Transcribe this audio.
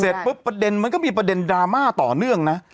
เสร็จปุ๊บมันก็มีประเด็นดราม่าต่อเนื่องนะ